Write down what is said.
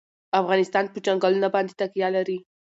افغانستان په چنګلونه باندې تکیه لري.